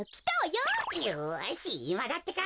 よしいまだってか！